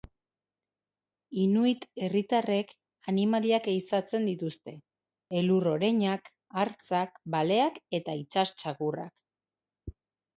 Inuit herritarrek animaliak ehizatzen dituzte: elur-oreinak, hartzak, baleak eta itsas txakurrak.